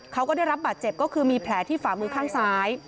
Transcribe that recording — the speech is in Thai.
เขาก็ได้รับบาดเจ็บก็คือมีแผลที่ฝ่ามือข้างซ้าย